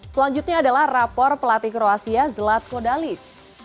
selanjutnya adalah rapor pelatih kroasia zlatko dalic